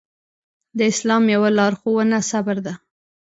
د اسلام يوه لارښوونه صبر ده.